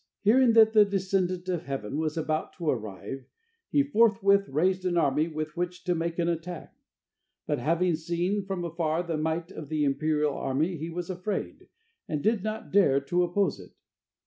Hearing that the descendant of heaven was about to arrive, he forthwith raised an army with which to make an attack. But having seen from afar the might of the imperial army, he was afraid, and did not dare to oppose it.